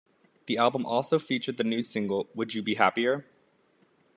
The album also featured the new single Would You Be Happier?